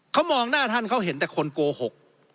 เขามองหน้าท่านเขาเห็นแต่คนโกหก